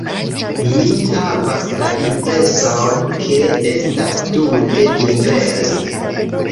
Mi havas la impreson, ke estas tute inverse.